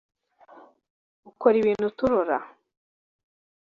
ukora ibintu turora.